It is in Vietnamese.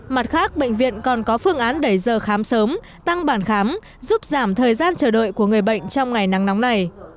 mặt khác bệnh viện còn có phương án đẩy giờ khám sớm tăng bản khám giúp giảm thời gian chờ đợi của người bệnh trong ngày nắng nóng này